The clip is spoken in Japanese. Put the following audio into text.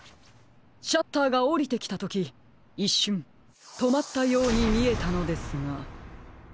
シャッターがおりてきたときいっしゅんとまったようにみえたのですが。